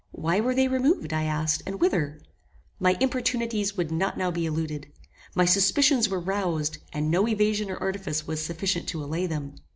Why were they removed, I asked, and whither? My importunities would not now be eluded. My suspicions were roused, and no evasion or artifice was sufficient to allay them.